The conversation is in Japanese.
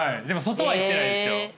でも外は行ってないですよ。